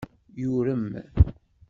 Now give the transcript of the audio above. Yurem.